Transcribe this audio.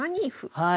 はい。